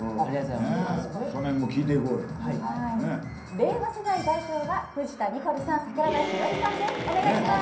令和世代代表は藤田ニコルさん桜田ひよりさんです